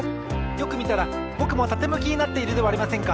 よくみたらぼくもたてむきになっているではありませんか！